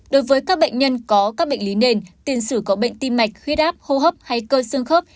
đối với các bệnh nhân có các bệnh lý nền tiền sử có bệnh tim mạch huyết áp hô hấp hay cơ xương khớp